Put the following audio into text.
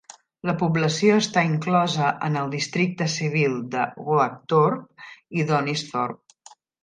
La població està inclosa en el districte civil de Oakthorpe i Donisthorpe.